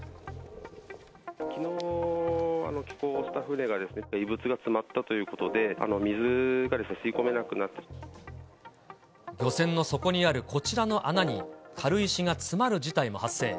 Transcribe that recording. きのう帰港した船が、異物が詰まったということで、水が吸い漁船の底にあるこちらの穴に、軽石が詰まる事態も発生。